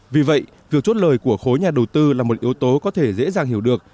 vì vậy việc chốt lời của khối nhà đầu tư là một yếu tố có thể dễ dàng hiểu được